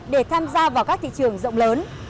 để tham gia vào các thị trường rộng lớn